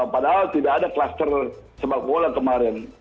padahal tidak ada kluster sepak bola kemarin